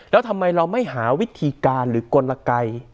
แล้วทำไมเราไม่หาวิธีการหรือกลไก